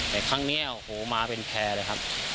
แต่ครั้งนี้โอ้โหมาเป็นแพร่เลยครับ